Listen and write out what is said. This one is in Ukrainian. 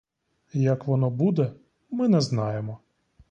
Як воно буде — ми не знаємо.